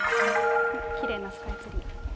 きれいなスカイツリー。